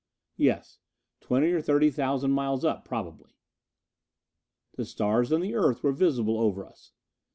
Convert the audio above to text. "Yes twenty or thirty thousand miles up, probably." The stars and the Earth were visible over us.